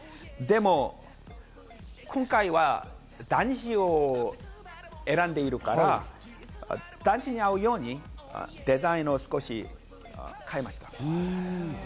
でも今回は男子を選んでるから、男子に合うようにデザインを少し変えました。